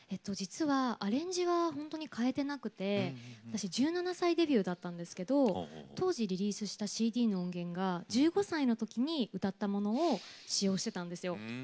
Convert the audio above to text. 実はアレンジは本当は変えてなくて私１７歳デビューだったんですけど当時リリースしたＣＤの音源が１５歳のときに歌ったものを使用したんですよ。